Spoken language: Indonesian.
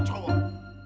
susah ya orang sableng